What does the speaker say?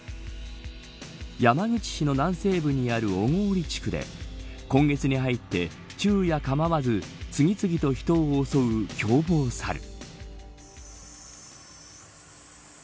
山口市の南西部にある小郡地区で今月に入って昼夜構わず次々と人を襲う凶暴サル。